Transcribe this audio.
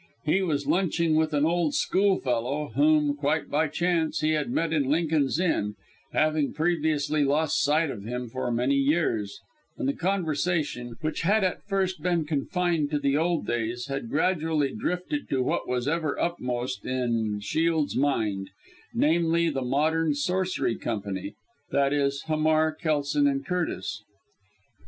He was lunching with an old schoolfellow whom, quite by chance, he had met in Lincoln's Inn, having previously lost sight of him for many years, and the conversation, which had at first been confined to the old days, had gradually drifted to what was ever uppermost in Shiel's mind namely, the Modern Sorcery Company, i.e. Hamar, Kelson and Curtis.